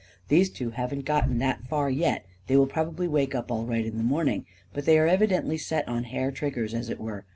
These two haven't got that far yet — they will probably wake up all right in the morn ing; but they are evidently set on hair triggers, as it were.